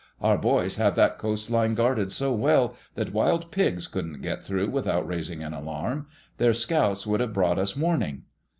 Our boys have that coastline guarded so well that wild pigs couldn't get through without raising an alarm. Their scouts would have brought us warning."